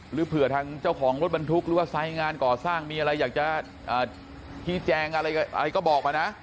หรือเผื่อทางเจ้าของรถบรรทุกหรือว่าไซส์งานก่อสร้างมีอะไรอยากจะชี้แจงอะไรก็บอกมานะ